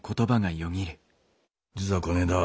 実はこねえだ